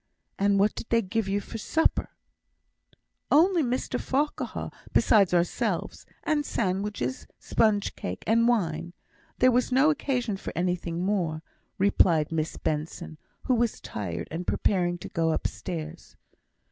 and what did they give you for supper?" "Only Mr Farquhar besides ourselves; and sandwiches, sponge cake, and wine; there was no occasion for anything more," replied Miss Benson, who was tired and preparing to go upstairs.